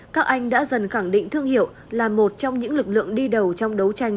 các anh đã dần khẳng định thương hiệu là một trong những lực lượng đi đầu trong đấu tranh